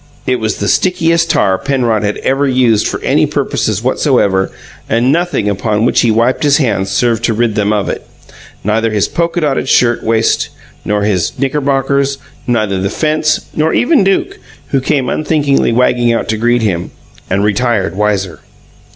It was the stickiest tar Penrod had ever used for any purposes whatsoever, and nothing upon which he wiped his hands served to rid them of it; neither his polka dotted shirt waist nor his knickerbockers; neither the fence, nor even Duke, who came unthinkingly wagging out to greet him, and retired wiser.